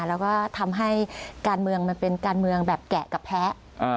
แล้วก็ทำให้การเมืองมันเป็นการเมืองแบบแกะกับแพ้